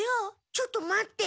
ちょっと待って。